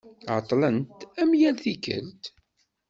Ԑeṭṭlent, am yal tikelt.